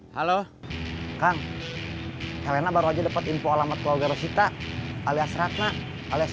halo halo kang helena baru aja dapet info alamat keluarga rosita alias ratna alias